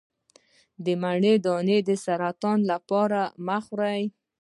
د مڼې دانه د سرطان لپاره مه خورئ